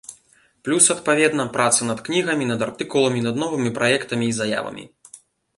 Плюс, адпаведна, праца над кнігамі, над артыкуламі, над новымі праектамі і заявамі.